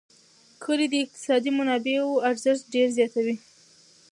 کلي د اقتصادي منابعو ارزښت ډېر زیاتوي.